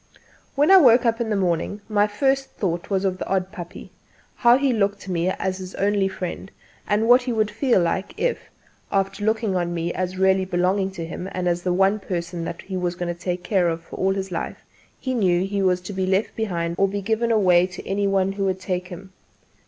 When I woke up in the morning, my first thought was of the odd puppy how he looked to me as his only friend, and what he would feel like if, after looking on me as really belonging to him and as the one person that he was going to take care of all his life, he knew he was to be left behind or given away to any one who would take him.